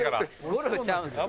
ゴルフちゃうんですよ。